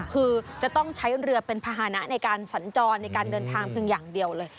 คือจะต้องใช้เรือเป็นภาษณะในการสัญจรในการเดินทางเพียงอย่างเดียวเลย